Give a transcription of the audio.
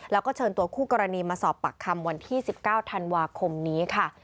แล้วก็เชิญตัวคู่กรณีมาสอบปากคำวันที่๑๙ธันวาคมนี้ค่ะ